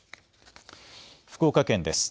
福岡県です。